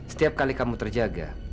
setiap kali kamu terjaga